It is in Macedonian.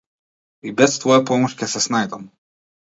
И без твоја помош ќе се снајдам.